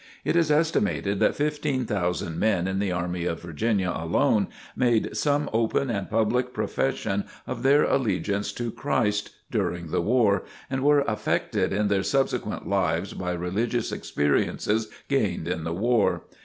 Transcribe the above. It is estimated that 15,000 men in the Army of Virginia alone, made some open and public profession of their allegiance to Christ during the war, and were affected in their subsequent lives by religious experiences gained in the war.